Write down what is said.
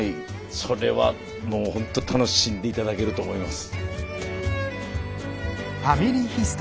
それはもうほんと楽しんで頂けると思います。